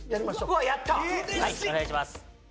はいお願いします